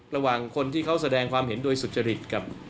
ระหว่างคนที่เขาแสดงความเห็นโดยสุจริตกับ